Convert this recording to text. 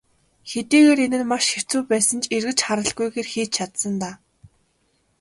Хэдийгээр энэ нь маш хэцүү байсан ч эргэж харалгүйгээр хийж чадсан даа.